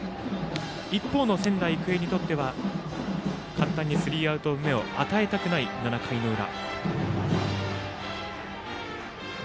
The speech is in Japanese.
一方の仙台育英にとっては簡単にスリーアウト目を与えたくない７回の裏。